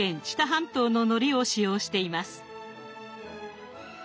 半島ののりを使用しています。